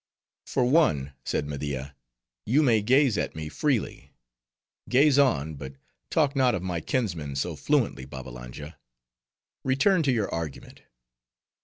"For one," said Media, "you may gaze at me freely. Gaze on. But talk not of my kinsmen so fluently, Babbalanja. Return to your argument."